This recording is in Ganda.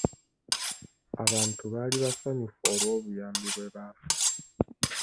Abantu baali basanyufu olw'obuyambi bwe baafuna.